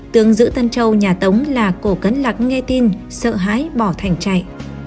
tướng giữ tân châu nhà tống là cổ cấn lạc nghe tin sợ hãi bỏ thành chạy